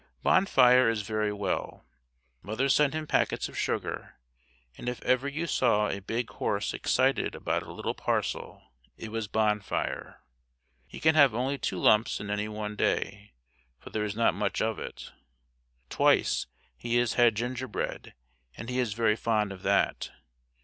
Bonfire is very well. Mother sent him some packets of sugar, and if ever you saw a big horse excited about a little parcel, it was Bonfire. He can have only two lumps in any one day, for there is not much of it. Twice he has had gingerbread and he is very fond of that.